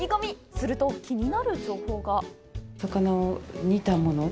すると、気になる情報が。